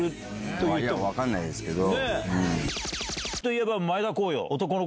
いや分かんないですけど。